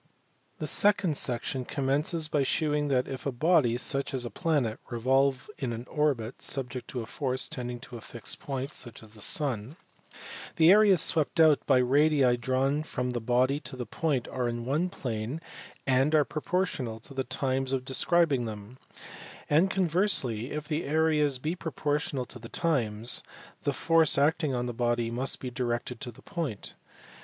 The second section commences by shewing that, if a body (such as a planet) revolve in an orbit subject to a force tending to a fixed point (such as the sun), the areas swept^o.uJLJt yJ^dii drawja.4foca fee body t the pom^rejrj^pjia plaiie and are p/ojgortional to the times_of jles them ; and conversely, if the areas be proportional to the times, the force acting on the body musf be directed: ttr the point.